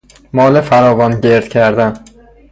مال فراوان گرد کردن